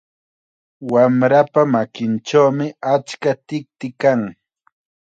Kay wamrapa makinchawmi achka tikti kan.